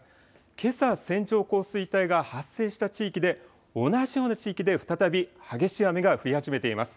けさ、線状降水帯が発生した地域で、同じような地域で再び激しい雨が降り始めています。